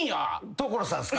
所さんっすか？